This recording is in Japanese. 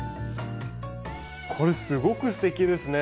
これすごくすてきですね。